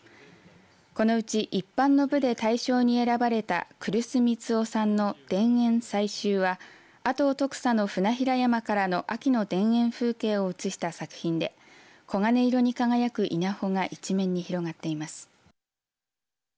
このうち一般の部で大賞に選ばれた来栖旬男さんの田園彩秋は阿東徳佐の船平山からの秋の田園風景を写した作品で黄金色に輝く稲穂が一面に広がっています。